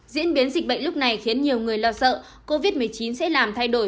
diễn biến dịch bệnh lúc này khiến nhiều người lo sợ covid một mươi chín sẽ làm thay đổi